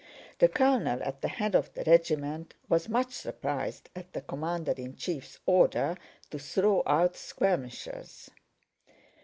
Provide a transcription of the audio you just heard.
The colonel at the head of the regiment was much surprised at the commander in chief's order to throw out skirmishers.